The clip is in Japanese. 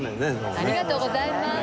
ありがとうございます。